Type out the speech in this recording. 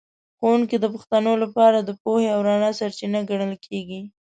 ښوونکی د پښتنو لپاره د پوهې او رڼا سرچینه ګڼل کېږي.